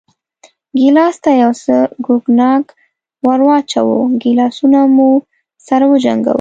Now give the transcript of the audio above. ګیلاس ته یو څه کوګناک ور واچوه، ګیلاسونه مو سره وجنګول.